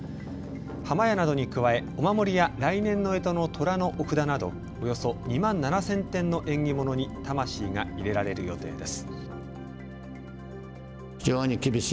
破魔矢などに加え、お守りや来年のえとのとらのお札などおよそ２万７０００点の縁起物に魂が入れられる予定です。